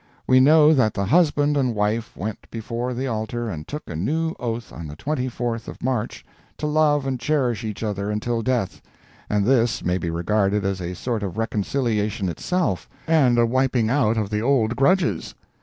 We know that the husband and wife went before the altar and took a new oath on the 24th of March to love and cherish each other until death and this may be regarded as a sort of reconciliation itself, and a wiping out of the old grudges.